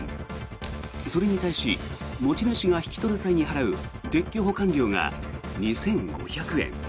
それに対し持ち主が引き取る際に払う撤去保管料が２５００円。